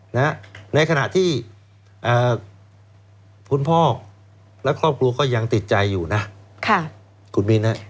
ในขณะที่คุณพ่อและครอบครัวก็ยังติดใจอยู่นะค่ะคุณมินฮะ